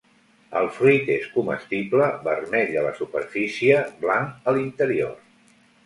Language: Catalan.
El fruit és comestible, vermell a la superfície, blanc a l'interior.